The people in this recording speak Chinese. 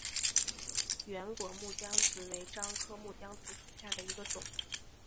圆果木姜子为樟科木姜子属下的一个种。